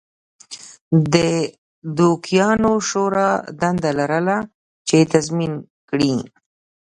د دوکیانو شورا دنده لرله چې تضمین کړي